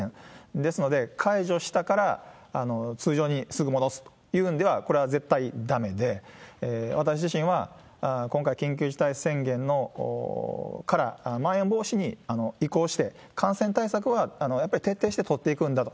ですので、解除したから通常にすぐ戻すというんでは、これは絶対だめで、私自身は今回、緊急事態宣言からまん延防止に移行して、感染対策はやっぱり徹底して取っていくんだと。